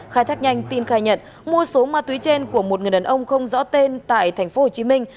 khai thác nhanh tin khai nhận mua số ma túy trên của một người đàn ông không rõ tên tại thành phố hồ chí minh